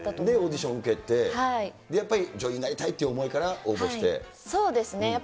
で、オーディション受けて、やっぱり女優になりたいっていう思いからそうですね。